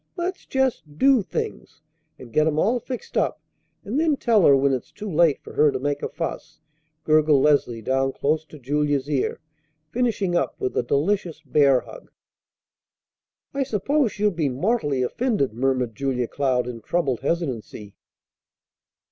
Let's just do things, and get 'em all fixed up, and then tell her when it's too late for her to make a fuss," gurgled Leslie down close to Julia's ear, finishing up with a delicious bear hug. "I suppose she'll be mortally offended," murmured Julia Cloud in troubled hesitancy.